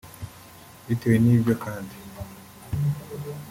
Bitewe n’ ibyo kandi